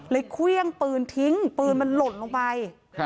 เครื่องปืนทิ้งปืนมันหล่นลงไป